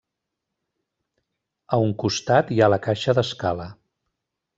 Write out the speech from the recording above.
A un costat hi ha la caixa d'escala.